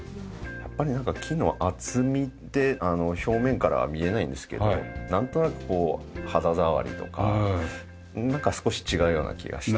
やっぱりなんか木の厚みって表面からは見えないんですけどなんとなくこう肌触りとかなんか少し違うような気がして。